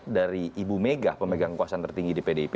dari ibu mega pemegang kekuasaan tertinggi di pdip